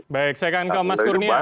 baik saya akan ke mas kurnia